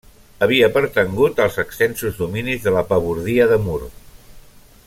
Havia pertangut als extensos dominis de la pabordia de Mur.